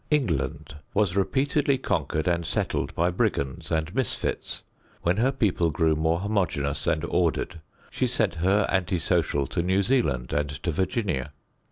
England was repeatedly conquered and settled by brigands and misfits. When her people grew more homogeneous and orderly she sent her anti social to New Zealand and to Virginia.